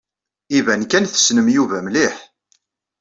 Iban kan tessnem Yuba mliḥ.